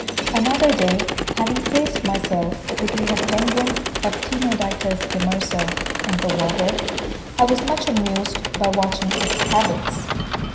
Another day, having placed myself between a penguin (Aptenodytes demersa) and the water, I was much amused by watching its habits.